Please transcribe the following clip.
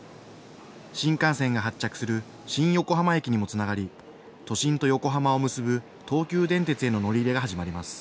新幹線が発着する新横浜駅にもつながり、都心と横浜を結ぶ東急電鉄への乗り入れが始まります。